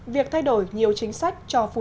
việc thay đổi nhiều chính sách cho phòng đại diện